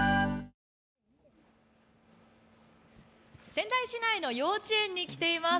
仙台市内の幼稚園に来ています。